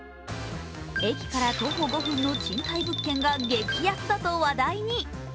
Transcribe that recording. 駅から徒歩５分の賃貸物件が激安だと話題に。